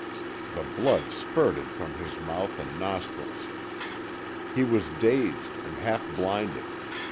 The blood spurted from his mouth and nostrils. He was dazed and half blinded.